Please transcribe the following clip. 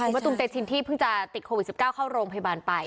มะตูมเตชินที่เพิ่งจะติดโควิด๑๙เข้าโรงพยาบาลไป